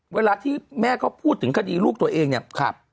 เวลาที่แม่เขาพูดถึงคดีลูกตัวเองเนี่ย